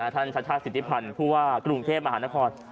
ท่านชาตย์ฌาติศิทธิพันธ์ผู้ว่ากรุงเทพมหานคร